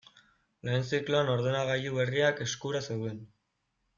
Lehen zikloan ordenagailu berriak eskura zeuden.